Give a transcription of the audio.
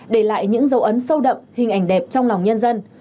để lại những dấu ấn sâu đậm hình ảnh đẹp trong lòng nhân dân